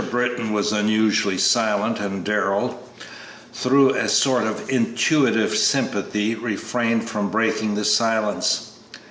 Britton was unusually silent, and Darrell, through a sort of intuitive sympathy, refrained from breaking the silence.